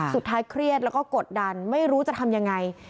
เครียดแล้วก็กดดันไม่รู้จะทำยังไง